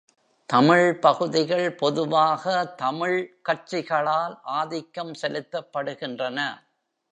தமிழ் பகுதிகள் பொதுவாக தமிழ் கட்சிகளால் ஆதிக்கம் செலுத்தப்படுகின்றன.